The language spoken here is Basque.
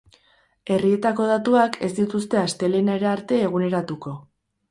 Herrietako datuak ez dituzte astelehenera arte eguneratuko.